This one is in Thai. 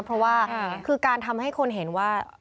เพราะว่าคือการทำให้คนเห็นว่า